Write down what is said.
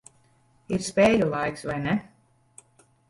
Ir spēļu laiks, vai ne?